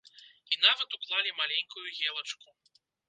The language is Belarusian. І нават уклалі маленькую елачку.